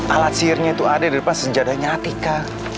alat sihirnya itu ada di depan sejadanya atika